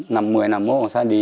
năm mười năm mốt ông sẽ đi